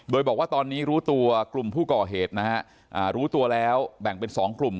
โดยบอกว่าตอนนี้รู้ตัวกลุ่มผู้ก่อเหตุนะฮะรู้ตัวแล้วแบ่งเป็น๒กลุ่ม